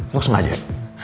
lu sengaja ya